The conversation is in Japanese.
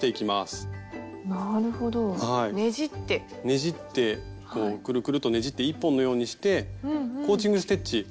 ねじってこうくるくるとねじって１本のようにしてコーチング・ステッチ。